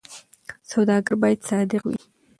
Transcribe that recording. سوداګر باید صادق وي.